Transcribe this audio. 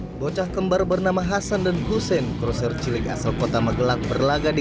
hai bocah kembar bernama hasan dan hussein kroser cilik asal kota magelang berlaga di